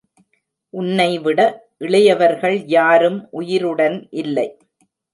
உன்னை விட இளையவர்கள் யாரும் உயிருடன் இல்லை